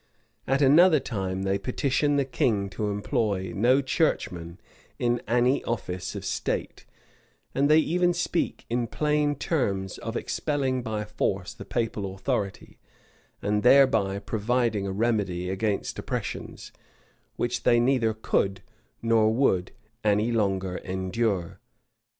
[] At another time, they petition the king to employ no churchman in any office of state;[] and they even speak in plain terms of expelling by force the papal authority, and thereby providing a remedy against oppressions, which they neither could, nor would, any longer endure.